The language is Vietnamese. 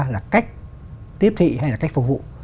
thứ ba là cách tiếp thị hay là cách phục vụ